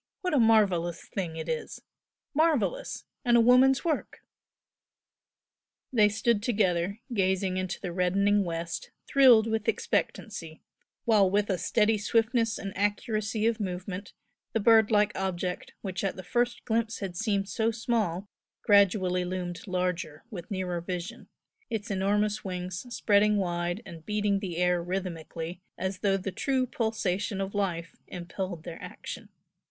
What a marvellous thing it is! Marvellous! and a woman's work!" They stood together, gazing into the reddening west, thrilled with expectancy, while with a steady swiftness and accuracy of movement the bird like object which at the first glimpse had seemed so small gradually loomed larger with nearer vision, its enormous wings spreading wide and beating the air rhythmically as though the true pulsation of life impelled their action.